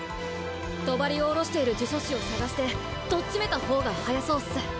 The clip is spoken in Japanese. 帳を下ろしている呪詛師を捜してとっちめた方が早そうっす。